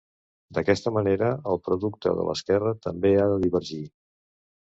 D'aquesta manera, el producte de l'esquerra també ha de divergir.